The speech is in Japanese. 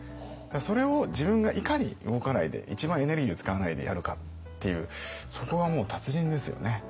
それを自分がいかに動かないで一番エネルギーを使わないでやるかっていうそこはもう達人ですよね。